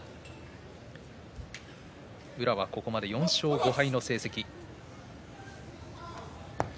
宇良はここまで４勝５敗の成績。